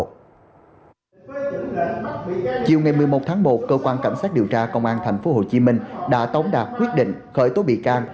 chiều ngày một mươi một tháng một cơ quan cảnh sát điều tra công an tp hcm đã tống đạt quyết định khởi tố bị can